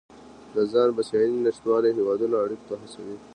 د ځان بسیاینې نشتوالی هیوادونه اړیکو ته هڅوي